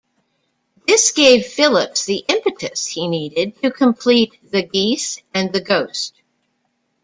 This gave Phillips the impetus he needed to complete "The Geese and the Ghost".